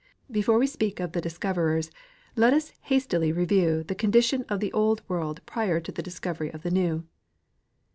Before we speak of the discoverers let us hastily review the condition of the old world prior to the discovery of the new.